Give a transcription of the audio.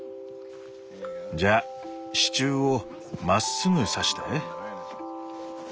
じゃあ支柱をまっすぐ挿して。